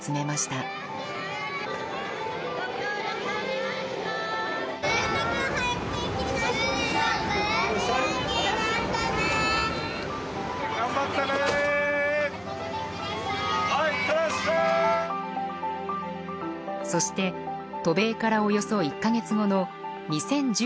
そして渡米からおよそ１カ月後の２０１０年９月。